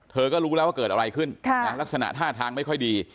เธอก็รู้แล้วว่าเกิดอะไรขึ้นลักษณะท่าทางไม่ค่อยดี